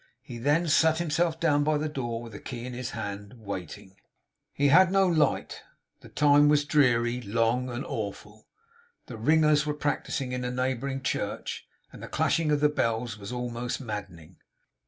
He then sat himself down by the door, with the key in his hand, waiting. He had no light; the time was dreary, long, and awful. The ringers were practicing in a neighbouring church, and the clashing of the bells was almost maddening.